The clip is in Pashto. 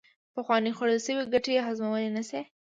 پخوانې خوړل شوې ګټې هضمولې نشي